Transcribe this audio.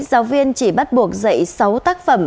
giáo viên chỉ bắt buộc dạy sáu tác phẩm